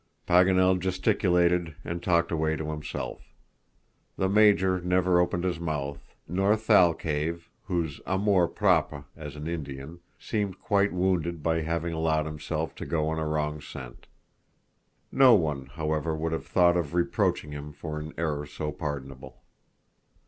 Paganel gesticulated and talked away to himself. The Major never opened his mouth, nor Thalcave, whose amour propre, as an Indian, seemed quite wounded by having allowed himself to go on a wrong scent. No one, however, would have thought of reproaching him for an error so pardonable.